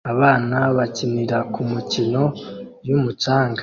Abana bakinira kumikino yumucanga